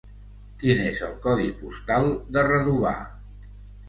Quin és el codi postal de Redovà?